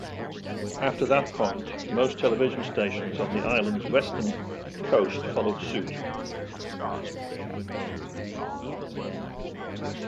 After that point, most television stations on the island's western coast followed suit.